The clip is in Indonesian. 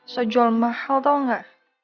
sa jual mahal tau ga